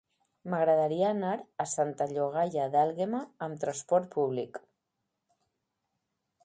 M'agradaria anar a Santa Llogaia d'Àlguema amb trasport públic.